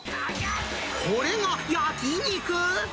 これが焼き肉？